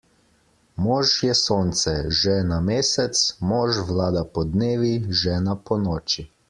Mož je Sonce, žena Mesec, mož vlada podnevi, žena ponoči.